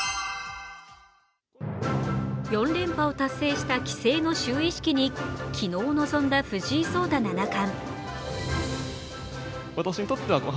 ４連覇を達成した規制の就位式に昨日臨んだ藤井聡太七冠。